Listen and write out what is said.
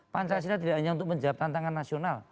pancasila tidak hanya untuk menjawab tantangan nasional